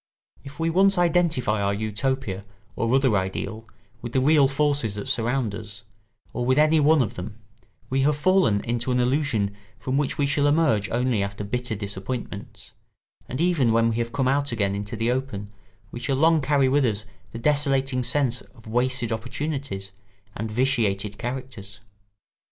If we once identify our Utopia or other ideal with the real forces that surround us, or with any one of them, we have fallen into an illusion from which we shall emerge only after bitter disappointments; and even when we have come out again into the open, we shall long carry with us the desolating sense of wasted opportunities and vitiated characters.